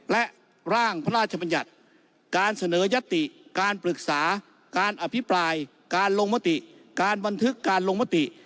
และร่างพระราชบัญญัติการเสนอยติการปรึกษาการอภิปรายการลงมติการบันทึกการลงมติ